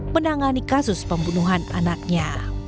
menangani kasus pembunuhan anaknya